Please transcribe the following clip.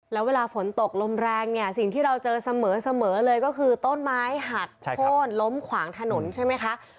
แล้วเวลาฝนตกลมแรงเนี่ยสิ่งที่เราเจอเสมอเลยก็คือต้นไม้หักโค้นล้มขวางถนนใช่ไหมคะ